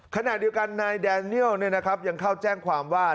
ขณะเดียวกันนายแดเนียลยังเข้าแจ้งความว่า